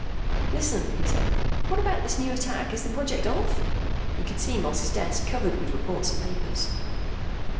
"Listen," he said. "What about this new attack? Is the project off?" He could see Moss's desk, covered with reports and papers.